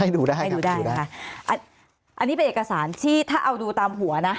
ดูได้ให้ดูได้นะคะอันนี้เป็นเอกสารที่ถ้าเอาดูตามหัวนะ